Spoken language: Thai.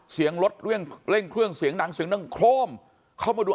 เสียงรถเร่งเครื่องเสียงหนังเสียงดังโครมเข้ามาดู